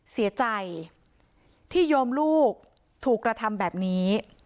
เสียใจที่โยมลูกถูกกระทำแบบนี้